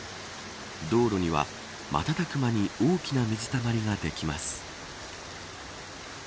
道路には瞬く間に大きな水たまりができます。